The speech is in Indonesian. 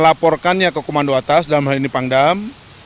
saya melaporkannya ke komando atas dalam hal ini pangdam